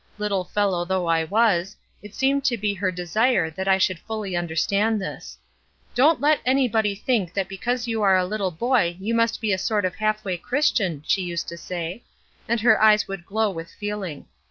Little fellow though I was, it seemed to be her desire that I should fully understand this. Don't let anybody make you think that because you are a little boy you must be a sort of half way Christian,' she used to say, and her eyes would glow with feeling.